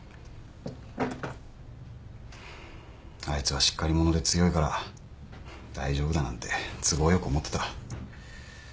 あいつはしっかり者で強いから大丈夫だなんて都合よく思ってた。